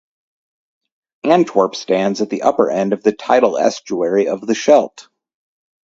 Antwerp stands at the upper end of the tidal estuary of the Scheldt.